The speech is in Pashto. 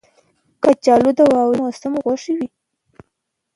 کچالو د واورین موسم خوښوي